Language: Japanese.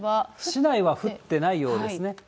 市内は降ってないようですね。